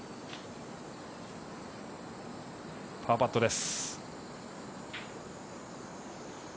パーパットです。